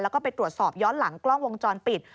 แล้วก็ไปตรวจสอบย้อนหลังกล้องวงจรปิด